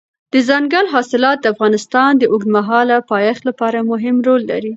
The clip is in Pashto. دځنګل حاصلات د افغانستان د اوږدمهاله پایښت لپاره مهم رول لري.